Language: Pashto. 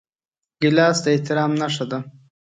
ګیلاس د احترام نښه ده.